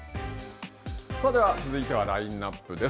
続いてはラインナップです。